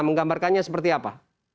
menggambarkannya seperti apa